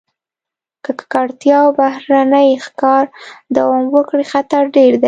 که ککړتیا او بهرني ښکار دوام وکړي، خطر ډېر دی.